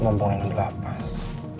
ngomongin dan berlapas